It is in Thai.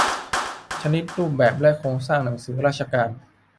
ชนิด รูปแบบ และโครงสร้างหนังสือราชการ